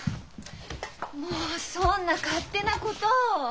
もうそんな勝手なことを！